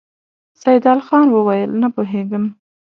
سيدال خان وويل: نه پوهېږم!